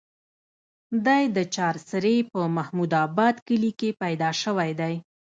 دے د چارسرې پۀ محمود اباد کلي کښې پېدا شوے دے